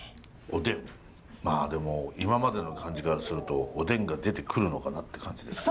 まあでも今までの感じからするとおでんが出てくるのかなって感じですね。